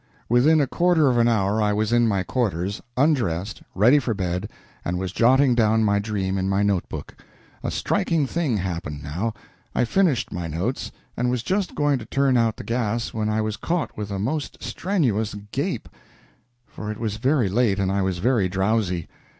Within a quarter of an hour I was in my quarters, undressed, ready for bed, and was jotting down my dream in my note book. A striking thing happened now. I finished my notes, and was just going to turn out the gas when I was caught with a most strenuous gape, for it was very late and I was very drowsy.